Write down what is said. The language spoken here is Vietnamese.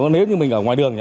nếu như mình ở ngoài đường